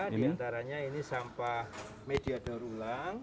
di antaranya ini sampah media daur ulang